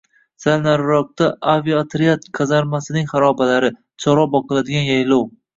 Sal nariroqda aviaotryad kazarmasining xarobalari, chorva boqiladigan yaylov